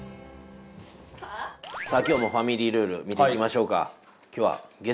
さあ今日もファミリールール見ていきましょうか。